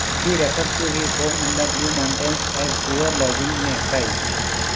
He refers to his home in the Blue Mountains as "poor lodgings in exile".